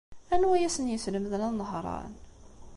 Anwa ay asen-yeslemden ad nehṛen?